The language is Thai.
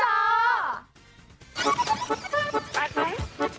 ไป